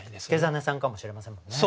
祐真さんかもしれませんもんね。